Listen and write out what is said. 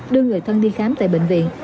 đưa người thân đi khám tại bệnh viện